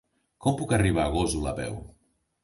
Com puc arribar a Gósol a peu?